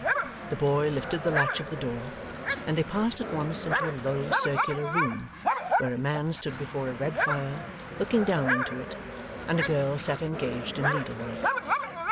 The boy lifted the latch of the door, and they passed at once into a low circular room, where a man stood before a red fire, looking down into it, and a girl sat engaged in needlework.